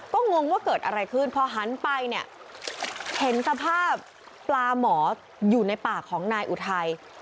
ก็งงว่าเกิดอะไรขึ้นพอหันไปเนี่ยเห็นสภาพปลาหมออยู่ในปากของนายอุทัย